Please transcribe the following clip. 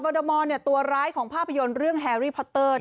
ตัวร้ายของภาพยนตร์เรื่องแฮรี่พอตเตอร์